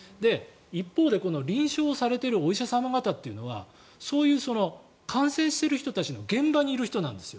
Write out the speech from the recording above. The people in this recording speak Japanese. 一方で臨床されているお医者さん方はそういう感染している人たちの現場にいる人たちなんですよ。